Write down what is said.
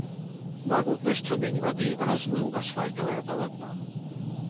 Магутны струмень вады размыў асфальтавае палатно.